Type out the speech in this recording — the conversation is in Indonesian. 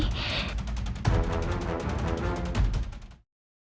lindungilah kami dari rasa dingin yang menyergap kami